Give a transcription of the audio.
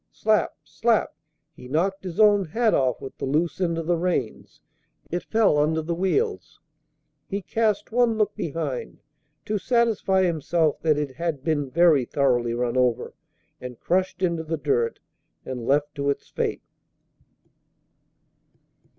Slap! slap! He knocked his own hat off with the loose end of the reins. It fell under the wheels. He cast one look behind, to satisfy himself that it had been very thoroughly run over and crushed into the dirt, and left it to its fate.